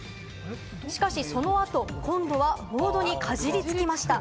しかしその後、今度はボードにかじりつきました。